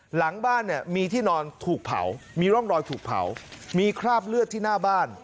หลังบ้านเนี่ยมีที่นอนถูกเผามีร่องรอยถูกเผามีคราบเลือดที่หน้าบ้าน